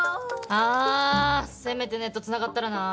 ああせめてネットつながったらな。